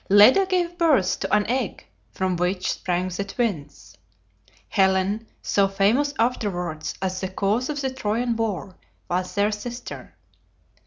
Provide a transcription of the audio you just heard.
Leda gave birth to an egg from which sprang the twins. Helen, so famous afterwards as the cause of the Trojan war, was their sister.